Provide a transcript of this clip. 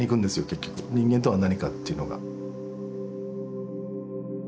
結局「人間とは何か」っていうのが。